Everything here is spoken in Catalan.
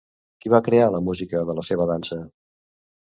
Qui va crear la música de la seva dansa?